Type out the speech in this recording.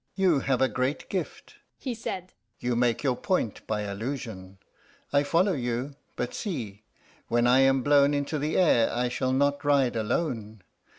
"You have a great gift," he said; "you make your point by allusion. I follow you. But see: when I am blown into the air I shall not ride alone.